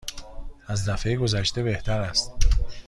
از دفعه گذشته بهتر است.